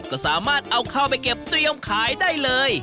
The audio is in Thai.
ก็สามารถเอาเข้าไปเก็บเตรียมขายได้เลย